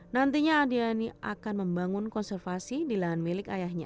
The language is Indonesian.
nantinya adiani akan membangun konservasi di lahan milik ayahnya